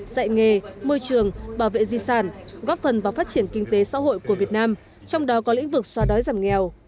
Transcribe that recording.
dạy nghề môi trường bảo vệ di sản góp phần vào phát triển kinh tế xã hội của việt nam trong đó có lĩnh vực xoa đói giảm nghèo